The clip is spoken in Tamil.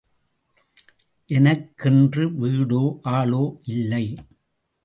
எனக்கென்று வீடோ, ஆளோ இல்லை.